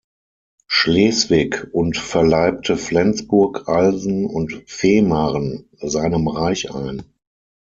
Schleswig und verleibte Flensburg, Alsen und Fehmarn seinem Reich ein.